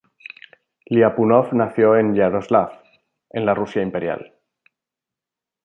Liapunov nació en Yaroslavl, en la Rusia Imperial.